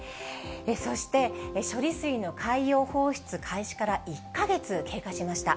そして、処理水の海洋放出開始から１か月経過しました。